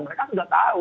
mereka sudah tahu